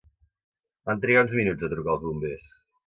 Van trigar uns minuts a trucar als bombers.